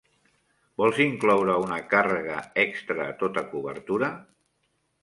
Vols incloure una càrrega extra a tota cobertura?